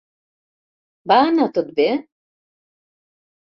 Va anar tot bé?